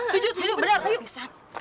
tuju tuju benar yuk